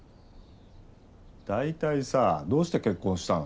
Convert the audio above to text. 大体さどうして結婚したの？